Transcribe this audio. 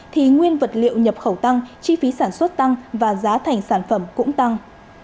thì nguyên vật liệu nhập khẩu tăng chi phí sản xuất tăng và giá thành sản phẩm cũng tăng